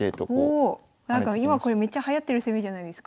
おなんか今これめっちゃはやってる攻めじゃないですか。